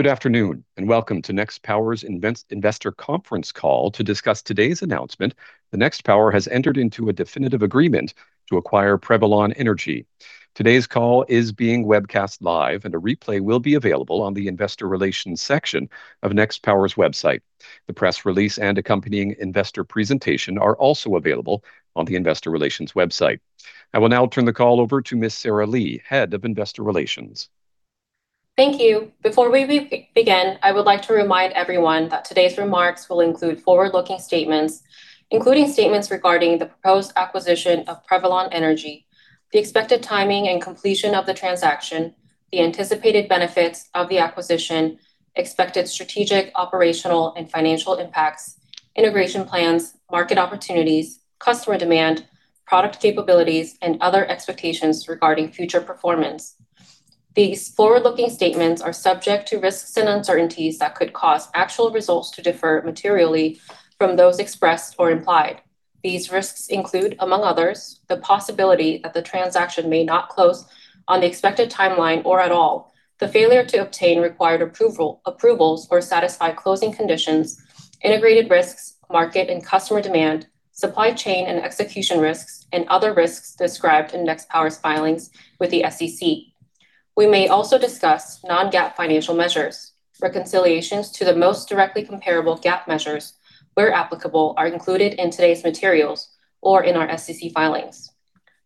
Good afternoon, and welcome to Nextpower's investor conference call to discuss today's announcement that Nextpower has entered into a definitive agreement to acquire Prevalon Energy. Today's call is being webcast live and a replay will be available on the investor relations section of Nextpower's website. The press release and accompanying investor presentation are also available on the investor relations website. I will now turn the call over to Ms. Sarah Lee, Head of Investor Relations. Thank you. Before we begin, I would like to remind everyone that today's remarks will include forward-looking statements, including statements regarding the proposed acquisition of Prevalon Energy, the expected timing and completion of the transaction, the anticipated benefits of the acquisition, expected strategic, operational, and financial impacts, integration plans, market opportunities, customer demand, product capabilities, and other expectations regarding future performance. These forward-looking statements are subject to risks and uncertainties that could cause actual results to differ materially from those expressed or implied. These risks include, among others, the possibility that the transaction may not close on the expected timeline or at all, the failure to obtain required approvals or satisfy closing conditions, integrated risks, market and customer demand, supply chain and execution risks, and other risks described in Nextpower's filings with the SEC. We may also discuss non-GAAP financial measures. Reconciliations to the most directly comparable GAAP measures, where applicable, are included in today's materials or in our SEC filings.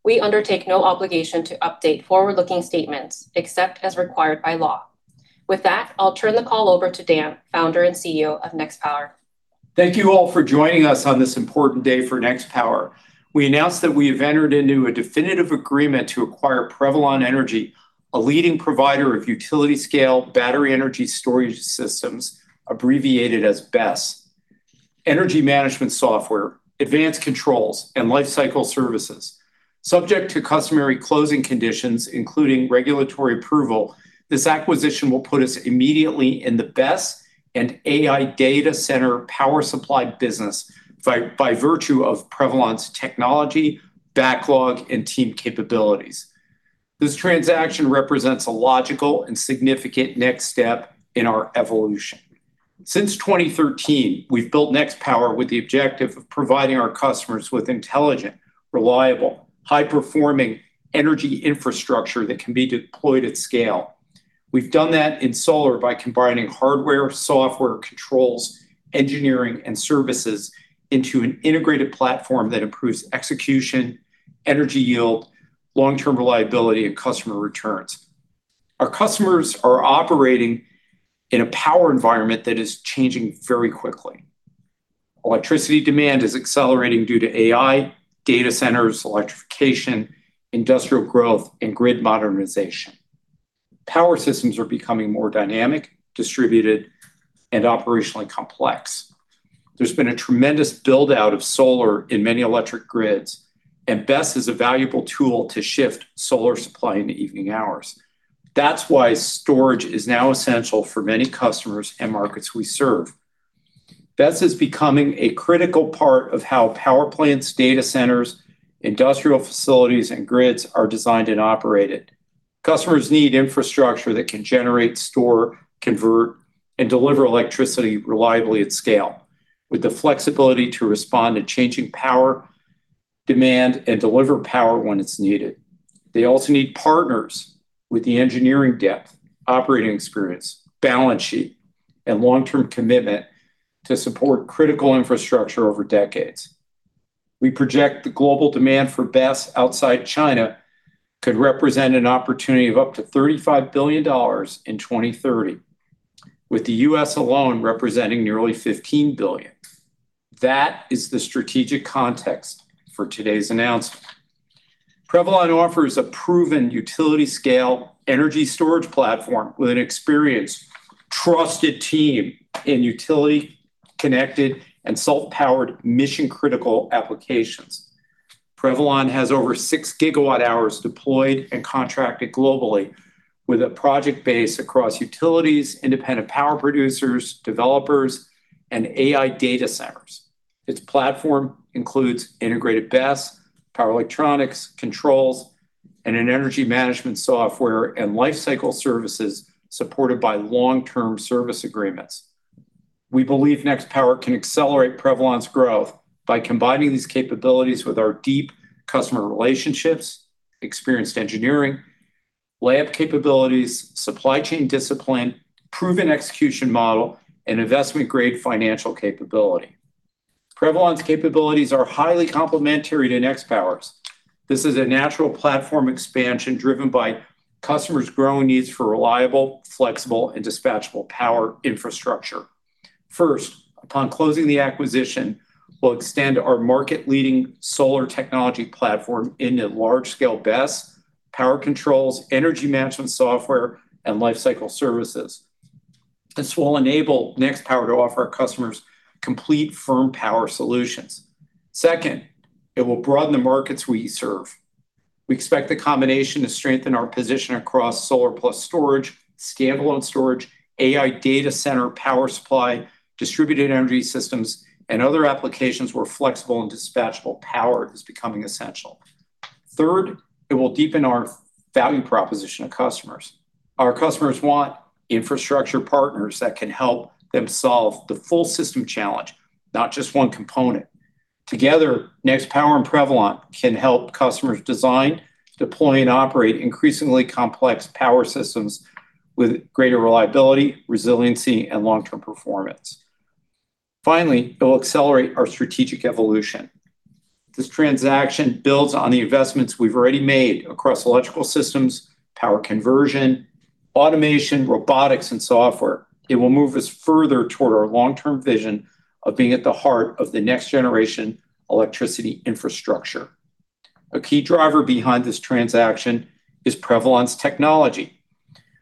We undertake no obligation to update forward-looking statements except as required by law. With that, I'll turn the call over to Dan, Founder and CEO of Nextpower. Thank you all for joining us on this important day for Nextpower. We announced that we have entered into a definitive agreement to acquire Prevalon Energy, a leading provider of utility-scale battery energy storage systems, abbreviated as BESS, energy management software, advanced controls, and life cycle services. Subject to customary closing conditions, including regulatory approval, this acquisition will put us immediately in the BESS and AI data center power supply business by virtue of Prevalon's technology, backlog, and team capabilities. This transaction represents a logical and significant next step in our evolution. Since 2013, we've built Nextpower with the objective of providing our customers with intelligent, reliable, high-performing energy infrastructure that can be deployed at scale. We've done that in solar by combining hardware, software, controls, engineering, and services into an integrated platform that improves execution, energy yield, long-term reliability, and customer returns. Our customers are operating in a power environment that is changing very quickly. Electricity demand is accelerating due to AI, data centers, electrification, industrial growth, and grid modernization. Power systems are becoming more dynamic, distributed, and operationally complex. There's been a tremendous build-out of solar in many electric grids, and BESS is a valuable tool to shift solar supply in the evening hours. That's why storage is now essential for many customers and markets we serve. BESS is becoming a critical part of how power plants, data centers, industrial facilities, and grids are designed and operated. Customers need infrastructure that can generate, store, convert, and deliver electricity reliably at scale, with the flexibility to respond to changing power demand and deliver power when it's needed. They also need partners with the engineering depth, operating experience, balance sheet, and long-term commitment to support critical infrastructure over decades. We project the global demand for BESS outside China could represent an opportunity of up to $35 billion in 2030, with the U.S. alone representing nearly $15 billion. That is the strategic context for today's announcement. Prevalon offers a proven utility scale energy storage platform with an experienced, trusted team in utility, connected, and self-powered mission-critical applications. Prevalon has over 6 GWh deployed and contracted globally with a project base across utilities, independent power producers, developers, and AI data centers. Its platform includes integrated BESS, power electronics, controls, and an energy management software and life cycle services supported by long-term service agreements. We believe Nextpower can accelerate Prevalon's growth by combining these capabilities with our deep customer relationships, experienced engineering, lab capabilities, supply chain discipline, proven execution model, and investment-grade financial capability. Prevalon's capabilities are highly complementary to Nextpower's. This is a natural platform expansion driven by customers' growing needs for reliable, flexible, and dispatchable power infrastructure. First, upon closing the acquisition, we'll extend our market-leading solar technology platform into large-scale BESS, power controls, energy management software, and life cycle services. This will enable Nextpower to offer our customers complete firm power solutions. Second, it will broaden the markets we serve. We expect the combination to strengthen our position across solar plus storage, standalone storage, AI data center power supply, distributed energy systems, and other applications where flexible and dispatchable power is becoming essential. Third, it will deepen our value proposition of customers. Our customers want infrastructure partners that can help them solve the full system challenge, not just one component. Together, Nextpower and Prevalon can help customers design, deploy, and operate increasingly complex power systems with greater reliability, resiliency, and long-term performance. Finally, it'll accelerate our strategic evolution. This transaction builds on the investments we've already made across electrical systems, power conversion, automation, robotics, and software. It will move us further toward our long-term vision of being at the heart of the next generation electricity infrastructure. A key driver behind this transaction is Prevalon's technology.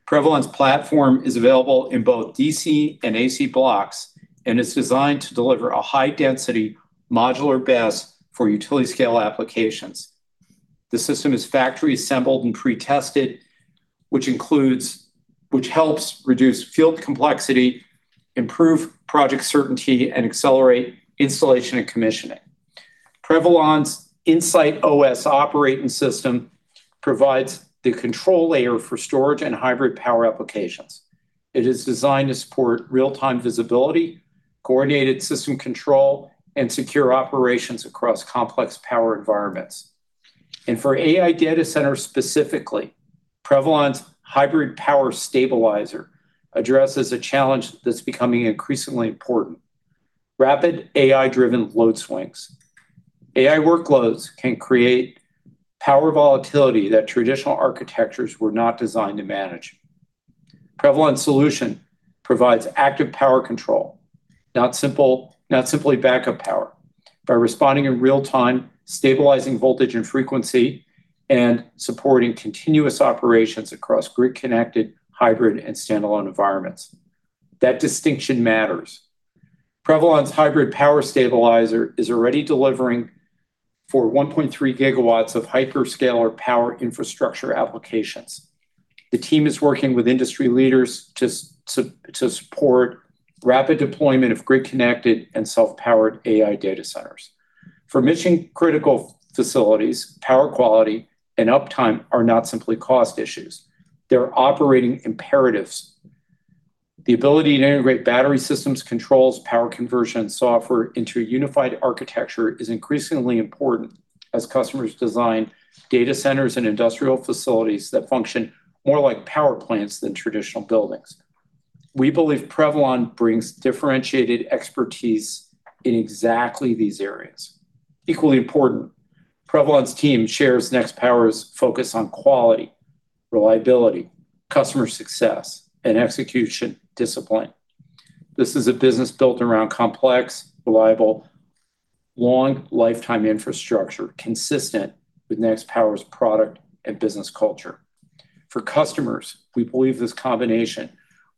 Prevalon's platform is available in both DC and AC blocks, and it's designed to deliver a high density modular BESS for utility scale applications. The system is factory assembled and pre-tested, which helps reduce field complexity, improve project certainty, and accelerate installation and commissioning. Prevalon's insightOS operating system provides the control layer for storage and hybrid power applications. It is designed to support real-time visibility, coordinated system control, and secure operations across complex power environments. For AI data centers, specifically, Prevalon's Hybrid Power Stabilizer addresses a challenge that's becoming increasingly important. Rapid AI-driven load swings. AI workloads can create power volatility that traditional architectures were not designed to manage. Prevalon's solution provides active power control, not simply backup power, by responding in real time, stabilizing voltage and frequency, and supporting continuous operations across grid connected hybrid and standalone environments. That distinction matters. Prevalon's Hybrid Power Stabilizer is already delivering for 1.3 GW of hyperscaler power infrastructure applications. The team is working with industry leaders to support rapid deployment of grid connected and self-powered AI data centers. For mission critical facilities, power quality and uptime are not simply cost issues. They're operating imperatives. The ability to integrate battery systems, controls, power conversion, software into a unified architecture is increasingly important as customers design data centers and industrial facilities that function more like power plants than traditional buildings. We believe Prevalon brings differentiated expertise in exactly these areas. Equally important, Prevalon's team shares Nextpower's focus on quality, reliability, customer success, and execution discipline. This is a business built around complex, reliable, long lifetime infrastructure consistent with Nextpower's product and business culture. For customers, we believe this combination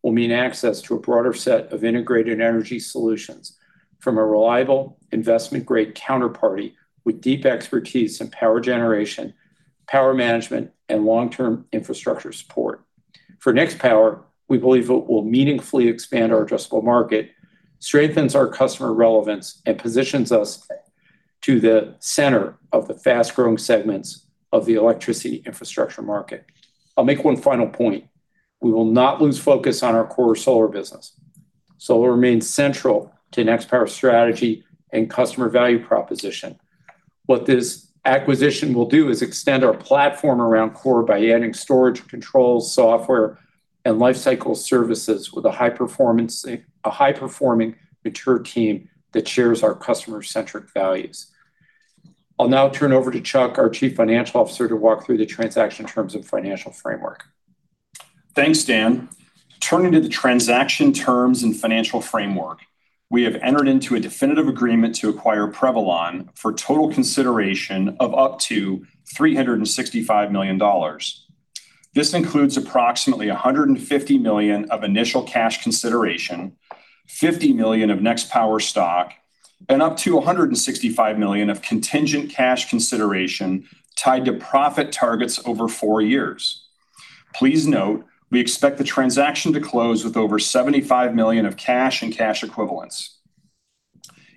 will mean access to a broader set of integrated energy solutions from a reliable investment-grade counterparty with deep expertise in power generation, power management, and long-term infrastructure support. For Nextpower, we believe it will meaningfully expand our addressable market, strengthens our customer relevance, and positions us to the center of the fast-growing segments of the electricity infrastructure market. I'll make one final point. We will not lose focus on our core solar business. Solar remains central to Nextpower's strategy and customer value proposition. What this acquisition will do is extend our platform around core by adding storage controls, software, and life cycle services with a high-performing mature team that shares our customer-centric values. I'll now turn over to Chuck, our Chief Financial Officer, to walk through the transaction terms of financial framework. Thanks, Dan. Turning to the transaction terms and financial framework, we have entered into a definitive agreement to acquire Prevalon for total consideration of up to $365 million. This includes approximately $150 million of initial cash consideration, $50 million of Nextpower stock, and up to $165 million of contingent cash consideration tied to profit targets over four years. Please note we expect the transaction to close with over $75 million of cash and cash equivalents.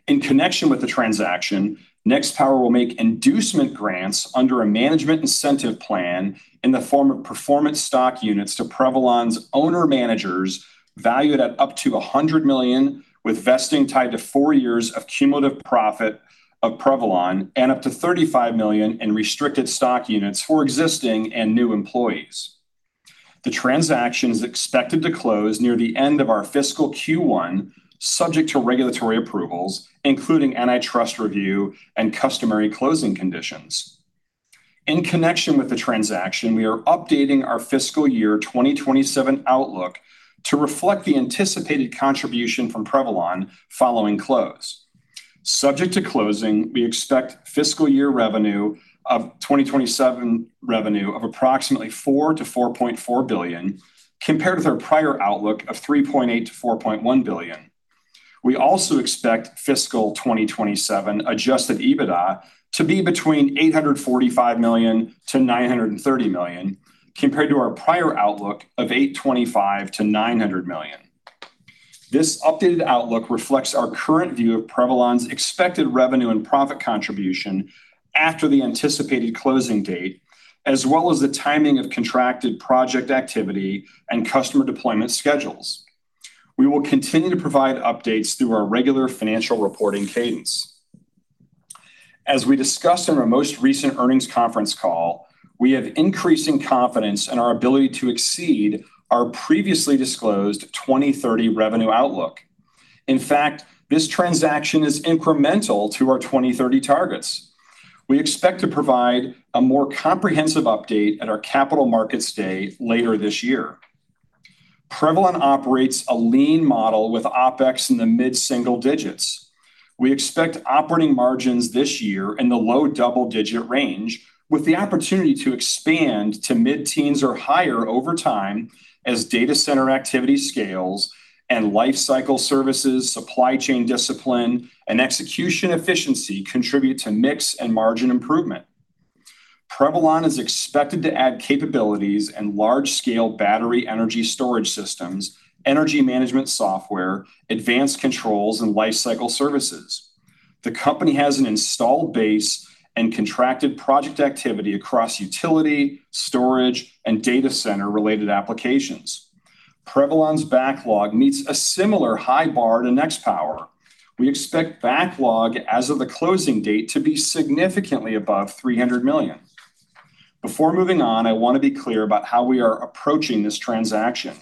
In connection with the transaction, Nextpower will make inducement grants under a management incentive plan in the form of performance stock units to Prevalon's owner managers valued at up to $100 million, with vesting tied to four years of cumulative profit of Prevalon and up to $35 million in restricted stock units for existing and new employees. The transaction is expected to close near the end of our fiscal Q1 subject to regulatory approvals, including antitrust review and customary closing conditions. In connection with the transaction, we are updating our fiscal year 2027 outlook to reflect the anticipated contribution from Prevalon following close. Subject to closing, we expect fiscal year revenue of 2027 revenue of approximately $4 billion-$4.4 billion, compared with our prior outlook of $3.8 billion-$4.1 billion. We also expect fiscal 2027 adjusted EBITDA to be between $845 million-$930 million, compared to our prior outlook of $825 million-$900 million. This updated outlook reflects our current view of Prevalon's expected revenue and profit contribution after the anticipated closing date, as well as the timing of contracted project activity and customer deployment schedules. We will continue to provide updates through our regular financial reporting cadence. As we discussed in our most recent earnings conference call, we have increasing confidence in our ability to exceed our previously disclosed 2030 revenue outlook. This transaction is incremental to our 2030 targets. We expect to provide a more comprehensive update at our capital markets day later this year. Prevalon operates a lean model with OpEx in the mid-single digits. We expect operating margins this year in the low double-digit range, with the opportunity to expand to mid-teens or higher over time as data center activity scales and life cycle services, supply chain discipline, and execution efficiency contribute to mix and margin improvement. Prevalon is expected to add capabilities and large scale battery energy storage systems, energy management software, advanced controls, and life cycle services. The company has an installed base and contracted project activity across utility, storage, and data center related applications. Prevalon's backlog meets a similar high bar to Nextpower. We expect backlog as of the closing date to be significantly above $300 million. Before moving on, I want to be clear about how we are approaching this transaction.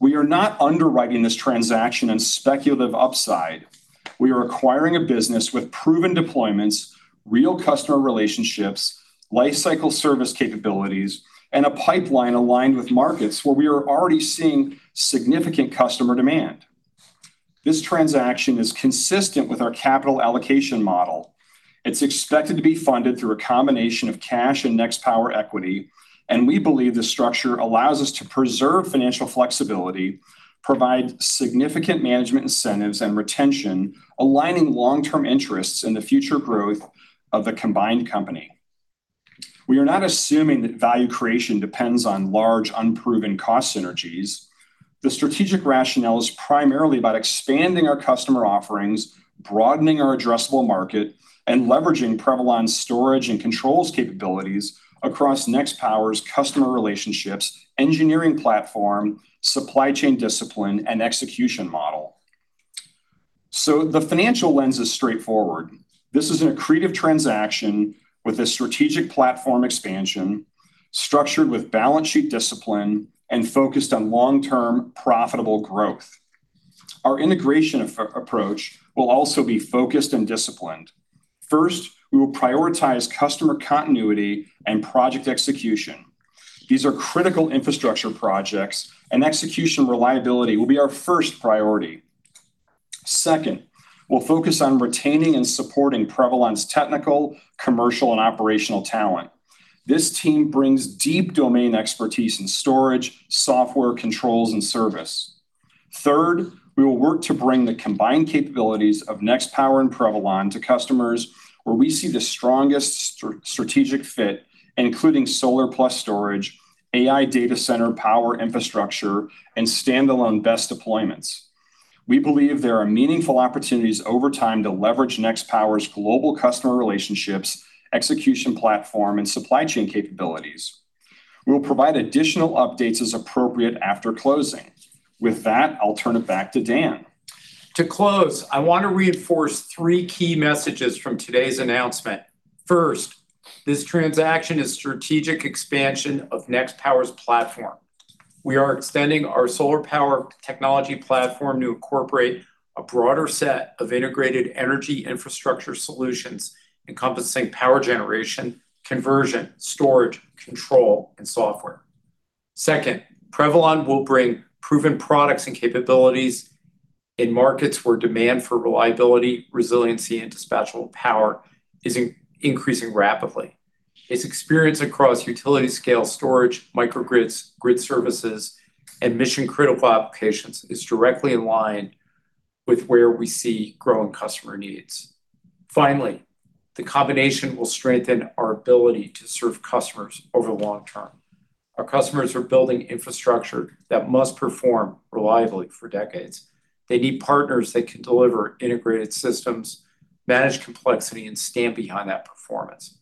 We are not underwriting this transaction on speculative upside. We are acquiring a business with proven deployments, real customer relationships, life cycle service capabilities, and a pipeline aligned with markets where we are already seeing significant customer demand. This transaction is consistent with our capital allocation model. It's expected to be funded through a combination of cash and Nextpower equity, and we believe the structure allows us to preserve financial flexibility, provide significant management incentives and retention, aligning long-term interests in the future growth of the combined company. We are not assuming that value creation depends on large, unproven cost synergies. The strategic rationale is primarily about expanding our customer offerings, broadening our addressable market, and leveraging Prevalon's storage and controls capabilities across Nextpower's customer relationships, engineering platform, supply chain discipline, and execution model. The financial lens is straightforward. This is an accretive transaction with a strategic platform expansion structured with balance sheet discipline and focused on long-term profitable growth. Our integration approach will also be focused and disciplined. First, we will prioritize customer continuity and project execution. These are critical infrastructure projects and execution reliability will be our first priority. Second, we'll focus on retaining and supporting Prevalon's technical, commercial, and operational talent. This team brings deep domain expertise in storage, software, controls, and service. Third, we will work to bring the combined capabilities of Nextpower and Prevalon to customers where we see the strongest strategic fit, including solar plus storage, AI data center power infrastructure, and standalone BESS deployments. We believe there are meaningful opportunities over time to leverage Nextpower's global customer relationships, execution platform, and supply chain capabilities. We will provide additional updates as appropriate after closing. With that, I'll turn it back to Dan. To close, I want to reinforce three key messages from today's announcement. First, this transaction is strategic expansion of Nextpower's platform. We are extending our solar power technology platform to incorporate a broader set of integrated energy infrastructure solutions encompassing power generation, conversion, storage, control, and software. Second, Prevalon will bring proven products and capabilities in markets where demand for reliability, resiliency, and dispatchable power is increasing rapidly. Its experience across utility scale storage, microgrids, grid services, and mission critical applications is directly in line with where we see growing customer needs. Finally, the combination will strengthen our ability to serve customers over the long term. Our customers are building infrastructure that must perform reliably for decades. They need partners that can deliver integrated systems, manage complexity, and stand behind that performance.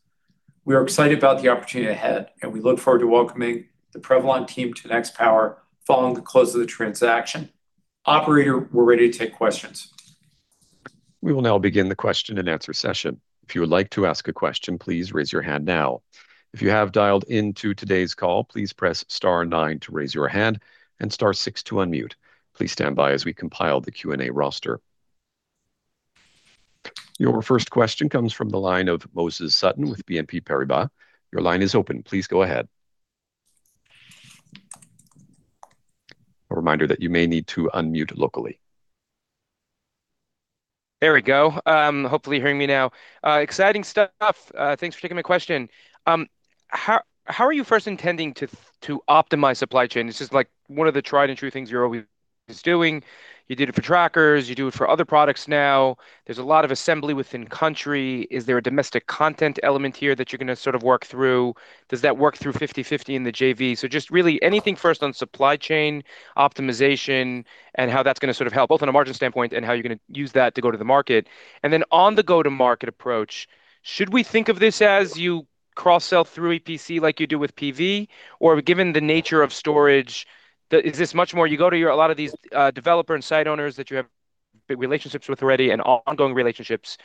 We are excited about the opportunity ahead, and we look forward to welcoming the Prevalon team to Nextpower following the close of the transaction. Operator, we're ready to take questions. We will now begin the question and answer session. If you would like to ask a question, please raise your hand now. If you have dialed into today's call, please press star nine to raise your hand and star six to unmute. Please stand by as we compile the Q&A roster. Your first question comes from the line of Moses Sutton with BNP Paribas. Your line is open. Please go ahead. A reminder that you may need to unmute locally. There we go. Hopefully you're hearing me now. Exciting stuff. Thanks for taking my question. How are you first intending to optimize supply chain? Is this like one of the tried and true things you're always doing. You did it for trackers, you do it for other products now. There's a lot of assembly within country. Is there a domestic content element here that you're going to work through? Does that work through 50/50 in the JV? Just really anything first on supply chain optimization and how that's going to help, both on a margin standpoint and how you're going to use that to go to the market. On the go-to-market approach, should we think of this as you cross-sell through EPC like you do with PV? Given the nature of storage, is this much more you go to a lot of these developer and site owners that you have big relationships with already and ongoing relationships,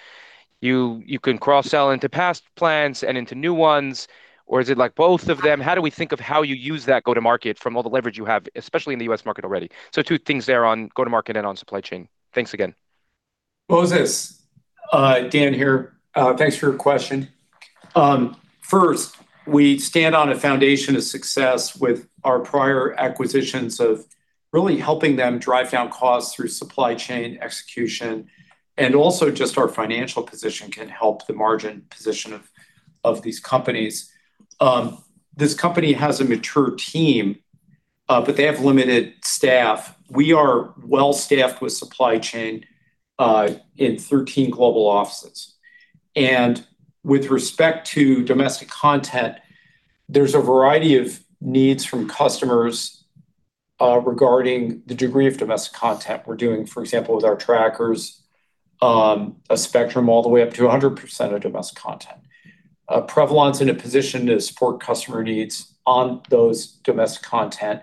you can cross-sell into past plans and into new ones, or is it like both of them? How do we think of how you use that go-to-market from all the leverage you have, especially in the U.S. market already? Two things there on go-to-market and on supply chain. Thanks again. Moses, Dan here. Thanks for your question. First, we stand on a foundation of success with our prior acquisitions of really helping them drive down costs through supply chain execution, and also just our financial position can help the margin position of these companies. This company has a mature team, but they have limited staff. We are well-staffed with supply chain in 13 global offices. With respect to domestic content, there's a variety of needs from customers regarding the degree of domestic content. We're doing, for example, with our trackers, a spectrum all the way up to 100% of domestic content. Prevalon's in a position to support customer needs on those domestic content,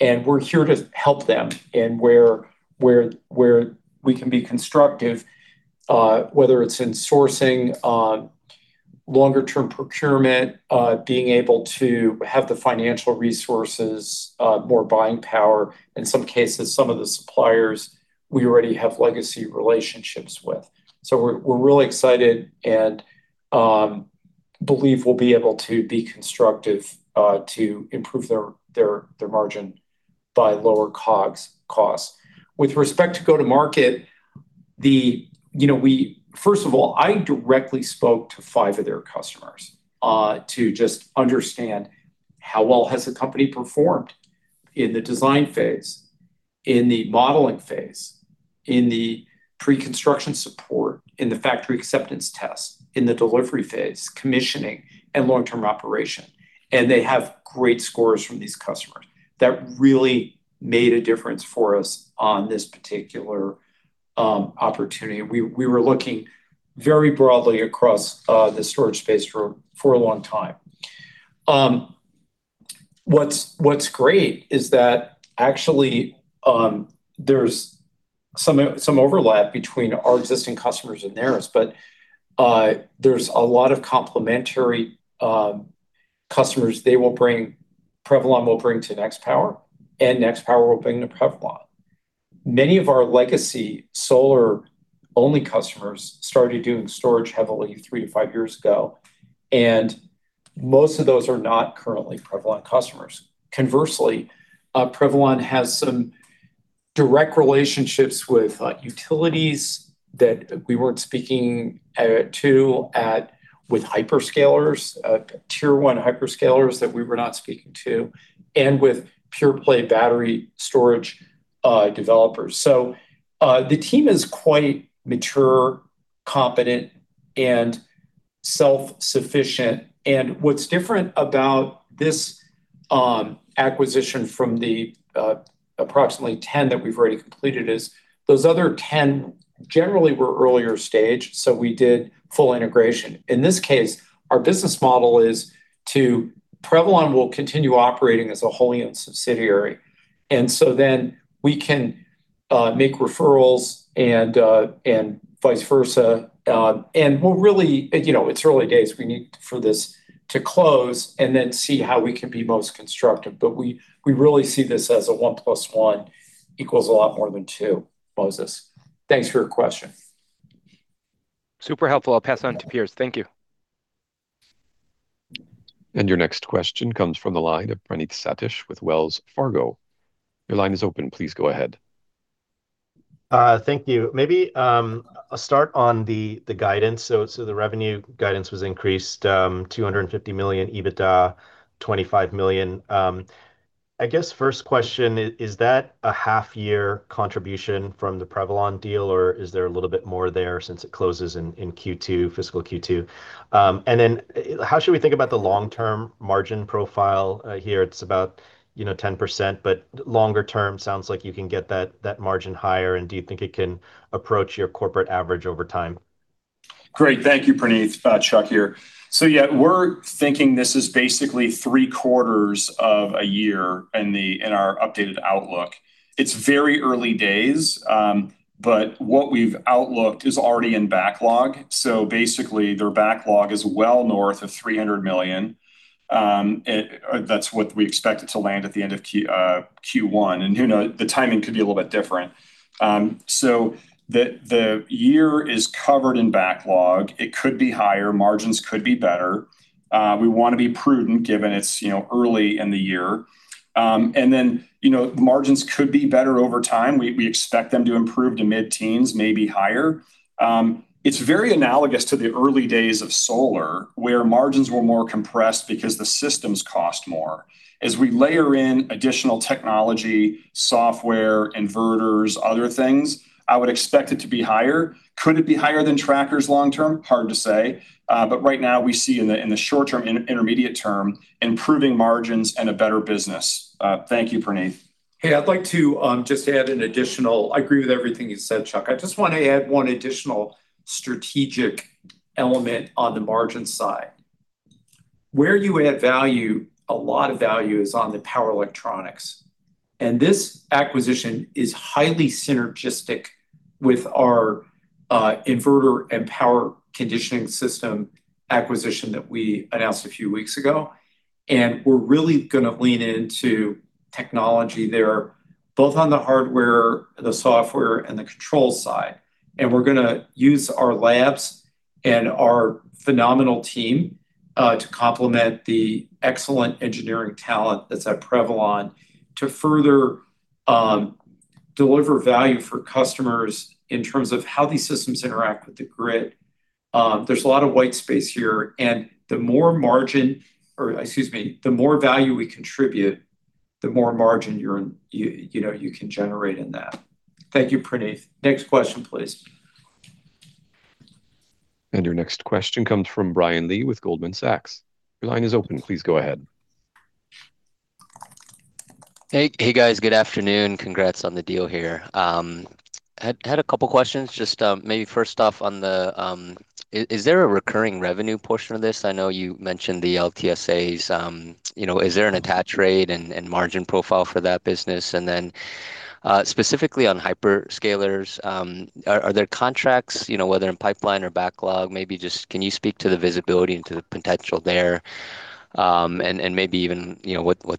and we're here to help them in where we can be constructive, whether it's in sourcing on longer term procurement, being able to have the financial resources, more buying power. In some cases, some of the suppliers we already have legacy relationships with. We're really excited and believe we'll be able to be constructive to improve their margin by lower COGS costs. With respect to go to market, first of all, I directly spoke to five of their customers to just understand how well has the company performed in the design phase, in the modeling phase, in the pre-construction support, in the factory acceptance test, in the delivery phase, commissioning and long-term operation. They have great scores from these customers. That really made a difference for us on this particular opportunity. We were looking very broadly across the storage space for a long time. What's great is that actually, there's some overlap between our existing customers and theirs, but there's a lot of complementary customers Prevalon will bring to Nextpower and Nextpower will bring to Prevalon. Many of our legacy solar-only customers started doing storage heavily three to five years ago. Most of those are not currently Prevalon customers. Conversely, Prevalon has some direct relationships with utilities that we weren't speaking to with hyperscalers, Tier 1 hyperscalers that we were not speaking to, and with pure play battery storage developers. The team is quite mature, competent, and self-sufficient. What's different about this acquisition from the approximately 10 that we've already completed is those other 10 generally were earlier stage. We did full integration. In this case, our business model is to Prevalon will continue operating as a wholly owned subsidiary. We can make referrals and vice versa. It's early days. We need for this to close and then see how we can be most constructive. We really see this as a one plus one equals a lot more than two, Moses. Thanks for your question. Super helpful. I'll pass on to peers. Thank you. Your next question comes from the line of Praneeth Satish with Wells Fargo. Your line is open. Please go ahead. Thank you. Maybe I'll start on the guidance. The revenue guidance was increased, $250 million, EBITDA $25 million. I guess first question, is that a half year contribution from the Prevalon deal, or is there a little bit more there since it closes in fiscal Q2? How should we think about the long-term margin profile here? It's about 10%, but longer term sounds like you can get that margin higher. Do you think it can approach your corporate average over time? Great. Thank you, Praneeth. Chuck here. Yeah, we're thinking this is basically three quarters of a year in our updated outlook. It's very early days, but what we've outlooked is already in backlog. Basically, their backlog is well north of $300 million. That's what we expect it to land at the end of Q1. Who knows, the timing could be a little bit different. The year is covered in backlog. It could be higher, margins could be better. We want to be prudent given it's early in the year. Then margins could be better over time. We expect them to improve to mid-teens, maybe higher. It's very analogous to the early days of solar, where margins were more compressed because the systems cost more. As we layer in additional technology, software, inverters, other things, I would expect it to be higher. Could it be higher than trackers long term? Hard to say. Right now we see in the short term, intermediate term, improving margins and a better business. Thank you, Praneeth. Hey, I agree with everything you said, Chuck. I just want to add one additional strategic element on the margin side. Where you add value, a lot of value, is on the power electronics. This acquisition is highly synergistic with our inverter and power conditioning system acquisition that we announced a few weeks ago. We're really going to lean into technology there, both on the hardware, the software, and the control side. We're going to use our labs and our phenomenal team to complement the excellent engineering talent that's at Prevalon to further deliver value for customers in terms of how these systems interact with the grid. There's a lot of white space here, and the more value we contribute, the more margin you can generate in that. Thank you, Praneeth.Next question, please. Your next question comes from Brian Lee with Goldman Sachs. Your line is open. Please go ahead. Hey, guys. Good afternoon. Congrats on the deal here. Had a couple questions. Is there a recurring revenue portion of this? I know you mentioned the LTSAs. Is there an attach rate and margin profile for that business? Specifically on hyperscalers, are there contracts, whether in pipeline or backlog? Maybe just can you speak to the visibility and to the potential there? Maybe even what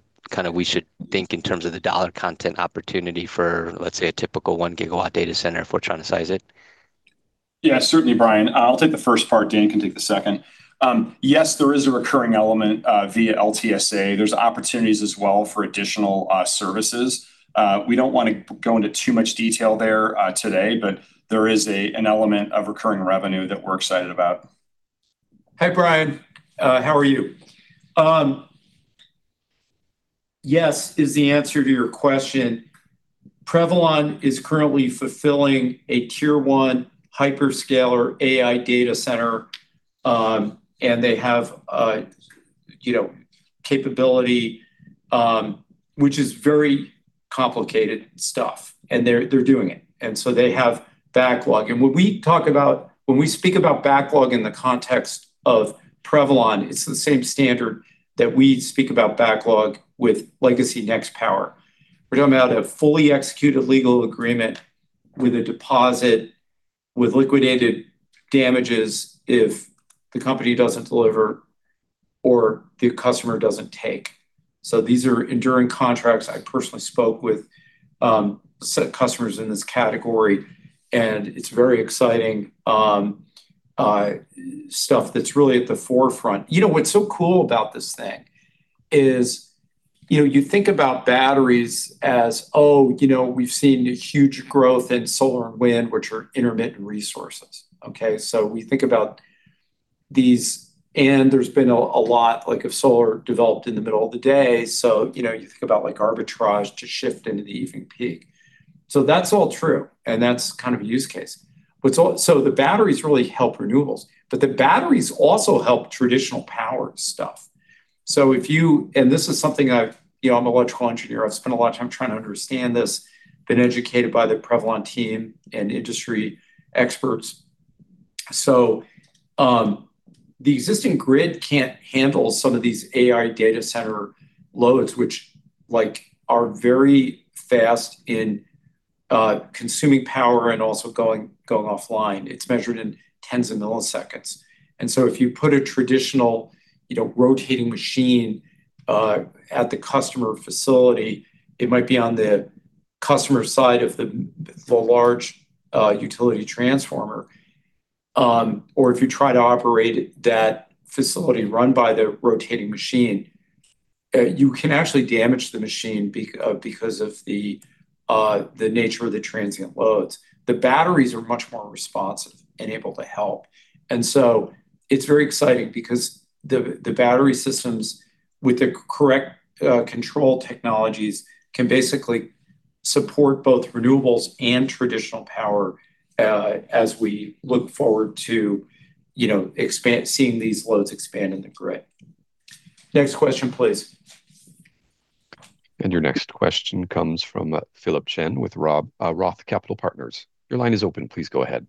we should think in terms of the dollar content opportunity for, let's say, a typical 1 GW data center, if we're trying to size it. Yeah, certainly, Brian. I'll take the first part. Dan can take the second. Yes, there is a recurring element via LTSA. There is opportunities as well for additional services. We don't want to go into too much detail there today, but there is an element of recurring revenue that we're excited about. Hi, Brian. How are you? Yes is the answer to your question. Prevalon is currently fulfilling a Tier 1 hyperscaler AI data center, and they have capability, which is very complicated stuff, and they're doing it, and so they have backlog. When we speak about backlog in the context of Prevalon, it's the same standard that we speak about backlog with legacy Nextpower. We're talking about a fully executed legal agreement with a deposit, with liquidated damages if the company doesn't deliver or the customer doesn't take. These are enduring contracts. I personally spoke with set customers in this category, and it's very exciting stuff that's really at the forefront. What's so cool about this thing is you think about batteries as, "Oh, we've seen a huge growth in solar and wind," which are intermittent resources. Okay? We think about these, and there's been a lot of solar developed in the middle of the day, so you think about Carbitrage to shift into the evening peak. That's all true, and that's kind of a use case. The batteries really help renewables, but the batteries also help traditional power stuff. This is something I'm electrical engineer. I've spent a lot of time trying to understand this. Been educated by the Prevalon team and industry experts. The existing grid can't handle some of these AI data center loads, which are very fast in consuming power and also going offline. It's measured in 10s of milliseconds. If you put a traditional rotating machine at the customer facility, it might be on the customer side of the large utility transformer. Or if you try to operate that facility run by the rotating machine, you can actually damage the machine because of the nature of the transient loads. The batteries are much more responsive and able to help. It's very exciting because the battery systems with the correct control technologies can basically support both renewables and traditional power as we look forward to seeing these loads expand in the grid. Next question, please. Your next question comes from Philip Shen with ROTH Capital Partners. Your line is open. Please go ahead.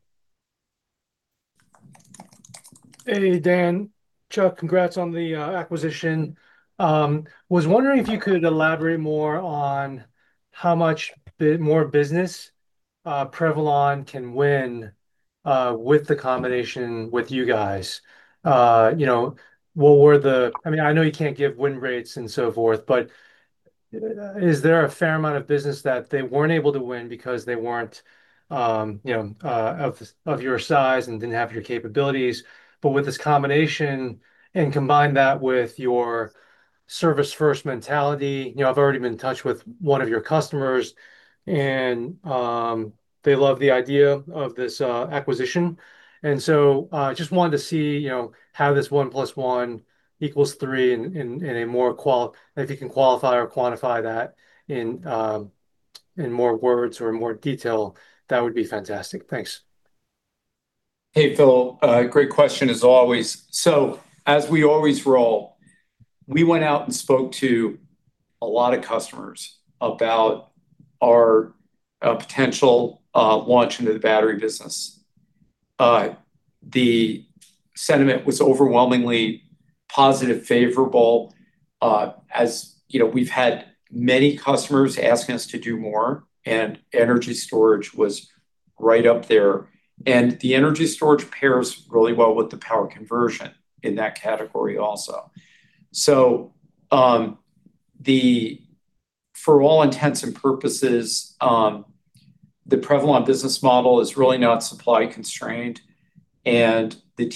Hey, Dan, Chuck, congrats on the acquisition. Was wondering if you could elaborate more on how much more business Prevalon can win with the combination with you guys. I know you can't give win rates and so forth, but is there a fair amount of business that they weren't able to win because they weren't of your size and didn't have your capabilities? With this combination and combine that with your service first mentality, I've already been in touch with one of your customers, and they love the idea of this acquisition. Just wanted to see how this one plus one equals three. If you can qualify or quantify that in more words or more detail, that would be fantastic. Thanks. Hey, Phil. Great question as always. As we always roll, we went out and spoke to a lot of customers about our potential launch into the battery business. The sentiment was overwhelmingly positive, favorable. As you know, we've had many customers asking us to do more, and energy storage was right up there. The energy storage pairs really well with the power conversion in that category also. For all intents and purposes, the Prevalon business model is really not supply constrained, and the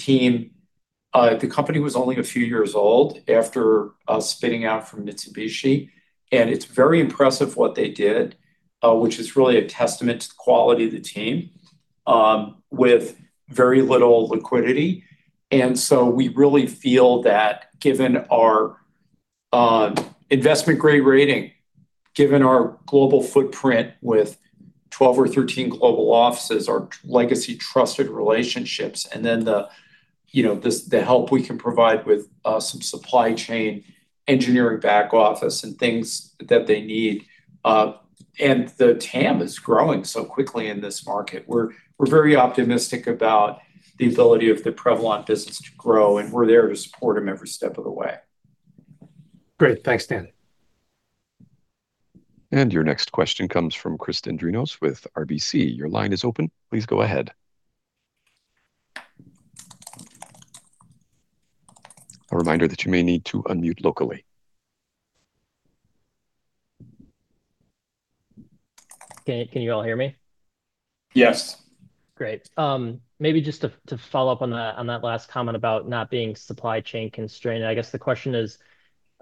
company was only a few years old after spinning out from Mitsubishi, and it's very impressive what they did, which is really a testament to the quality of the team, with very little liquidity. We really feel that given our investment grade rating, given our global footprint with 12 or 13 global offices, our legacy trusted relationships, and then the help we can provide with some supply chain engineering back office and things that they need. The TAM is growing so quickly in this market. We're very optimistic about the ability of the Prevalon business to grow, and we're there to support them every step of the way. Great. Thanks, Dan. Your next question comes from Chris Dendrinos with RBC. Your line is open. Please go ahead. A reminder that you may need to unmute locally. Can you all hear me? Yes. Great. Maybe just to follow up on that last comment about not being supply chain constrained, I guess the question is,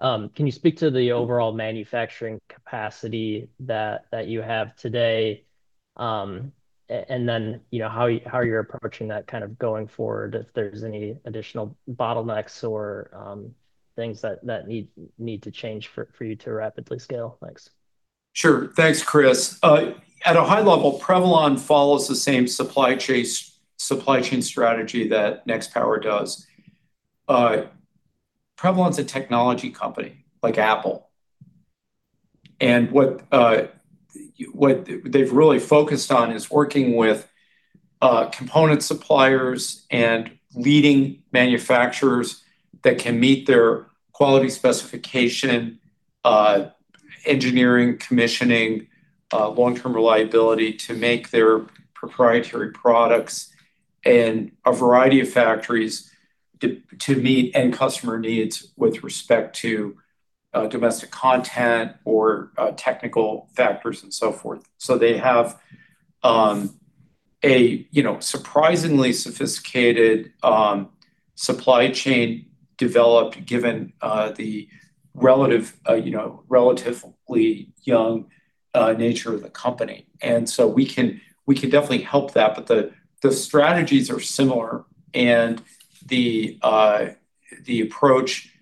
can you speak to the overall manufacturing capacity that you have today? How you're approaching that going forward, if there's any additional bottlenecks or things that need to change for you to rapidly scale. Thanks. Sure. Thanks, Chris. At a high level, Prevalon follows the same supply chain strategy that Nextpower does. Prevalon is a technology company, like Apple. And what they've really focused on is working with component suppliers and leading manufacturers that can meet their quality specification, engineering, commissioning, long-term reliability to make their proprietary products in a variety of factories to meet end customer needs with respect to domestic content or technical factors and so forth. They have a surprisingly sophisticated supply chain developed given the relatively young nature of the company. We can definitely help that, but the strategies are similar, and the approach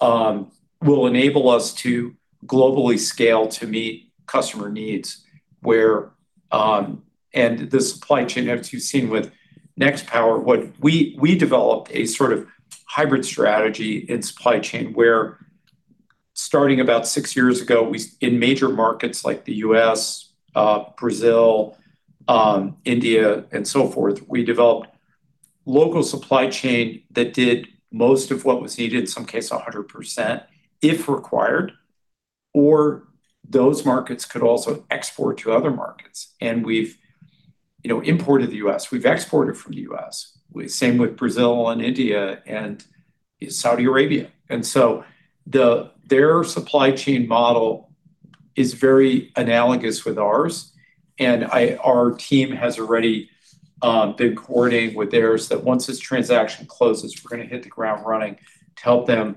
will enable us to globally scale to meet customer needs. The supply chain, as you've seen with Nextpower, we developed a sort of hybrid strategy in supply chain where starting about six years ago in major markets like the U.S., Brazil, India and so forth, we developed local supply chain that did most of what was needed, in some case, 100%, if required. Those markets could also export to other markets. We've imported the U.S., we've exported from the U.S. Same with Brazil and India and Saudi Arabia. Their supply chain model is very analogous with ours, and our team has already been coordinating with theirs, that once this transaction closes, we're going to hit the ground running to help them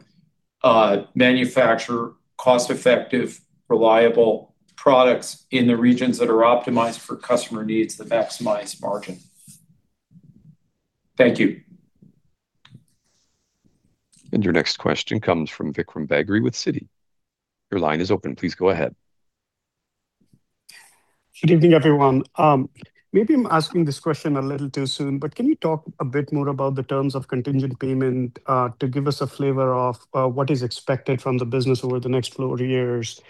manufacture cost effective, reliable products in the regions that are optimized for customer needs that maximize margin. Thank you. Your next question comes from Vikram Bagri with Citi. Your line is open. Please go ahead. Good evening, everyone. Maybe I'm asking this question a little too soon, but can you talk a bit more about the terms of contingent payment to give us a flavor of what is expected from the business over the next four years?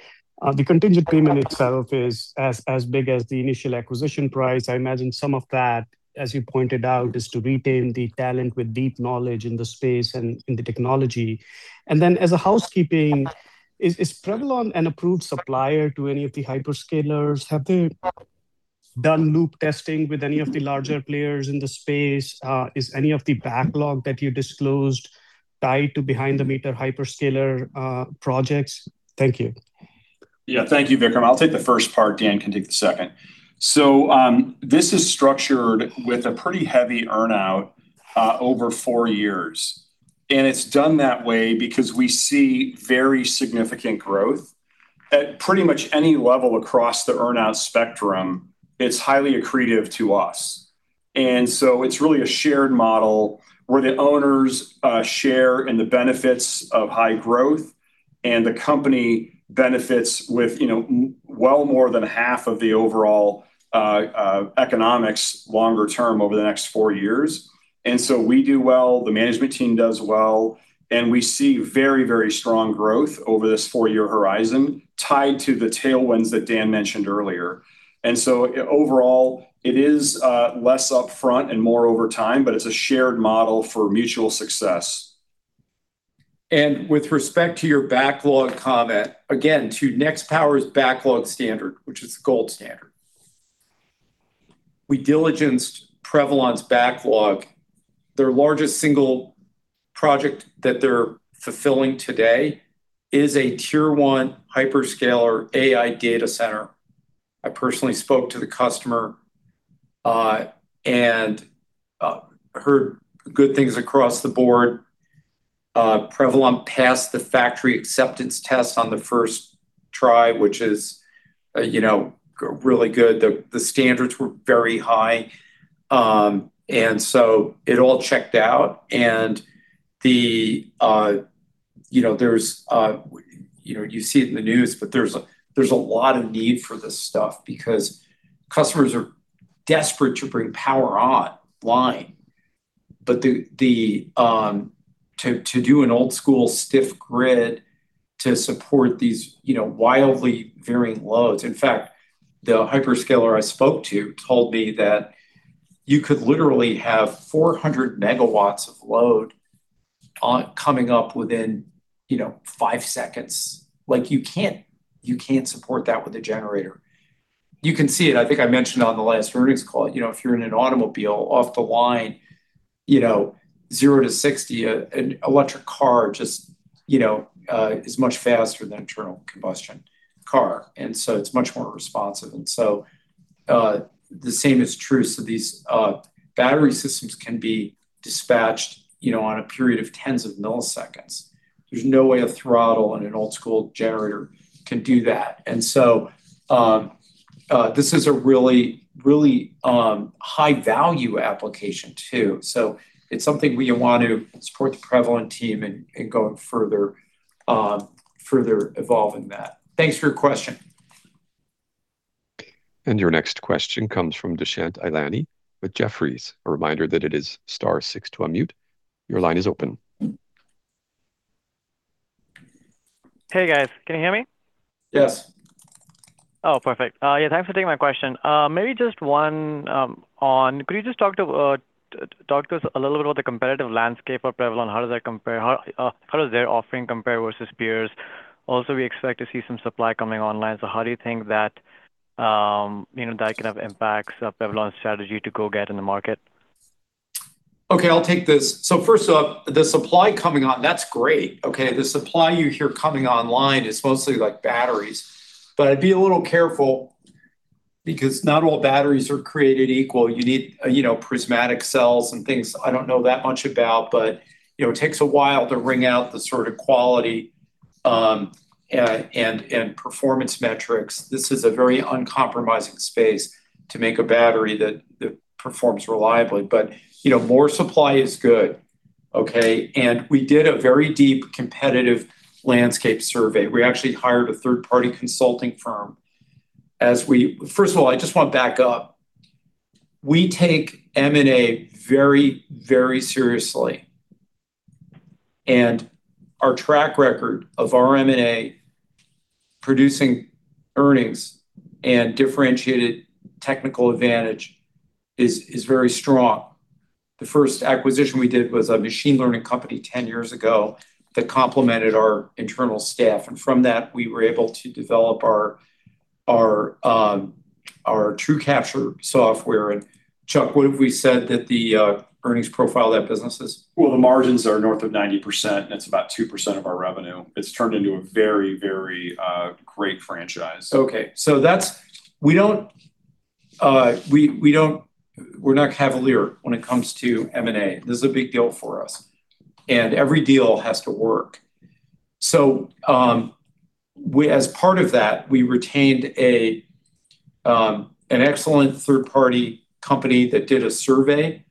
The contingent payment itself is as big as the initial acquisition price. I imagine some of that, as you pointed out, is to retain the talent with deep knowledge in the space and in the technology. As a housekeeping, is Prevalon an approved supplier to any of the hyperscalers? Have they done loop testing with any of the larger players in the space? Is any of the backlog that you disclosed tied to behind the meter hyperscaler projects? Thank you. Yeah. Thank you, Vikram. I'll take the first part. Dan can take the second. This is structured with a pretty heavy earn-out over four years. It's done that way because we see very significant growth at pretty much any level across the earn-out spectrum. It's highly accretive to us. It's really a shared model where the owners share in the benefits of high growth. The company benefits with well more than half of the overall economics longer term over the next four years. We do well, the management team does well, and we see very, very strong growth over this four-year horizon tied to the tailwinds that Dan mentioned earlier. Overall, it is less upfront and more over time, but it's a shared model for mutual success. With respect to your backlog comment, again, to Nextpower's backlog standard, which is the gold standard. We diligenced Prevalon's backlog. Their largest single project that they're fulfilling today is a Tier 1 hyperscaler AI data center. I personally spoke to the customer, and heard good things across the board. Prevalon passed the factory acceptance test on the first try, which is really good. The standards were very high, it all checked out. You see it in the news, there's a lot of need for this stuff because customers are desperate to bring power online. To do an old school stiff grid to support these wildly varying loads. In fact, the hyperscaler I spoke to told me that you could literally have 400 MW of load coming up within five seconds. You can't support that with a generator. You can see it. I think I mentioned on the last earnings call, if you're in an automobile off the line, zero to 60, an electric car just is much faster than internal combustion car. It's much more responsive. The same is true. These battery systems can be dispatched on a period of tens of milliseconds. There's no way a throttle on an old school generator can do that. This is a really high value application too. It's something we want to support the Prevalon team in going further evolving that. Thanks for your question. Your next question comes from Dushyant Ailani with Jefferies. Reminder that press star six to unmute. Your line is open. Hey, guys. Can you hear me? Yes. Perfect. Yeah, thanks for taking my question. Could you just talk to us a little bit about the competitive landscape of Prevalon? How does their offering compare versus peers? We expect to see some supply coming online, so how do you think that can have impacts of Prevalon's strategy to go get in the market? Okay, I'll take this. First up, the supply coming on, that's great. Okay. The supply you hear coming online is mostly batteries. I'd be a little careful because not all batteries are created equal. You need prismatic cells and things I don't know that much about, it takes a while to wring out the sort of quality, and performance metrics. This is a very uncompromising space to make a battery that performs reliably. More supply is good. Okay? We did a very deep competitive landscape survey. We actually hired a third-party consulting firm. First of all, I just want to back up. We take M&A very seriously, and our track record of our M&A producing earnings and differentiated technical advantage is very strong. The first acquisition we did was a machine learning company 10 years ago that complemented our internal staff, and from that, we were able to develop our TrueCapture software. Chuck, what have we said that the earnings profile of that business is? Well, the margins are north of 90%, and it's about 2% of our revenue. It's turned into a very great franchise. Okay. We're not cavalier when it comes to M&A. This is a big deal for us, and every deal has to work. As part of that, we retained an excellent third-party company that did a survey.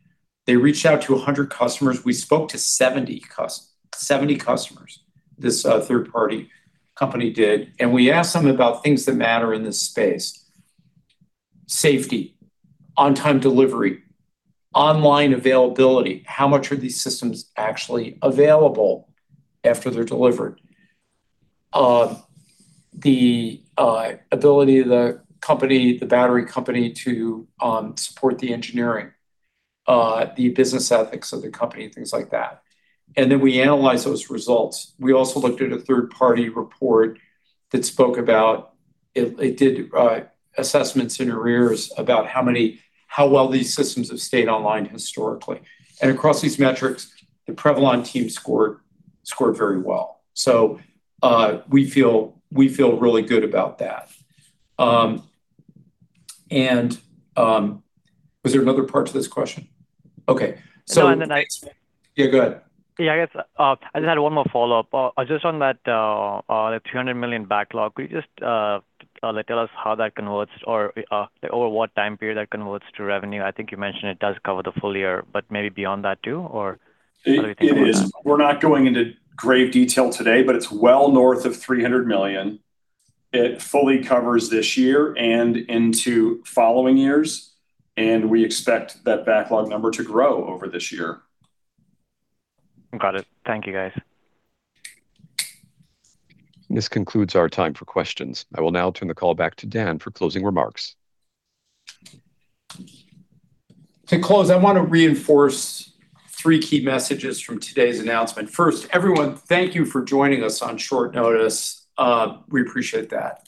They reached out to 100 customers. We spoke to 70 customers, this third-party company did, and we asked them about things that matter in this space. Safety, on-time delivery, online availability. How much are these systems actually available after they're delivered? The ability of the battery company to support the engineering, the business ethics of the company, and things like that. Then we analyze those results. We also looked at a third-party report, it did assessments in arrears about how well these systems have stayed online historically. Across these metrics, the Prevalon team scored very well. We feel really good about that. Was there another part to this question? Okay. No. Yeah, go ahead. Yeah, I guess, I just had one more follow-up. Just on that, the $300 million backlog. Could you just tell us how that converts or over what time period that converts to revenue? You mentioned it does cover the full year, maybe beyond that too? We're not going into great detail today, but it's well north of $300 million. It fully covers this year and into following years, and we expect that backlog number to grow over this year. Got it. Thank you, guys. This concludes our time for questions. I will now turn the call back to Dan for closing remarks. To close, I want to reinforce three key messages from today's announcement. First, everyone, thank you for joining us on short notice. We appreciate that.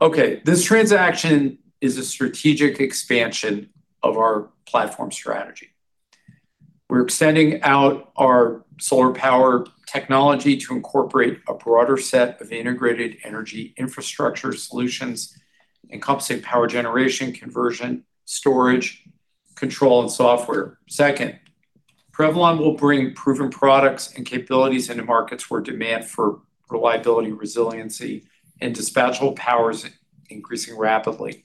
Okay. This transaction is a strategic expansion of our platform strategy. We're extending out our solar power technology to incorporate a broader set of integrated energy infrastructure solutions encompassing power generation, conversion, storage, control, and software. Second, Prevalon will bring proven products and capabilities into markets where demand for reliability, resiliency, and dispatchable power is increasing rapidly.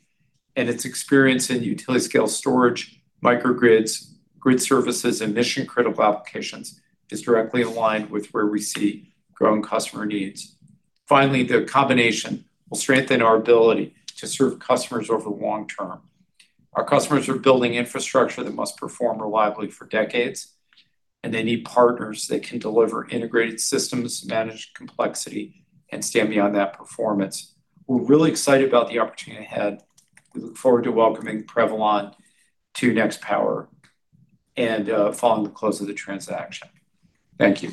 Its experience in utility scale storage, microgrids, grid services, and mission critical applications is directly aligned with where we see growing customer needs. Finally, the combination will strengthen our ability to serve customers over long term. Our customers are building infrastructure that must perform reliably for decades, and they need partners that can deliver integrated systems, manage complexity, and stand behind that performance. We're really excited about the opportunity ahead. We look forward to welcoming Prevalon to Nextpower and following the close of the transaction. Thank you.